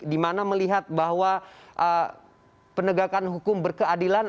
dimana melihat bahwa penegakan hukum berkeadilan